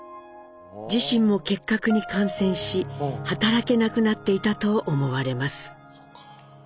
自身も結核に感染し働けなくなっていたと思われます。